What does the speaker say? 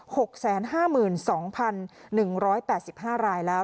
หกแสนห้าหมื่นสองพันหนึ่งร้อยแปดสิบห้ารายแล้ว